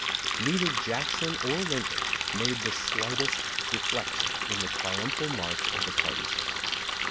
Neither Jackson or Lincoln made the slightest de flection in the triumphal march of the party sys tem.